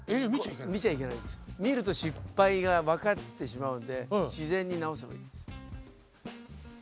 見ると失敗が分かってしまうので自然に直す。